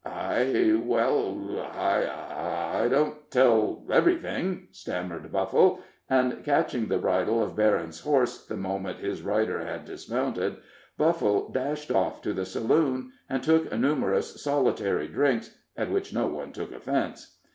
"I well I I don't tell everything" stammered Buffle; and, catching the bridle of Berryn's horse the moment his rider had dismounted, Buffle dashed off to the saloon, and took numerous solitary drinks, at which no one took offense.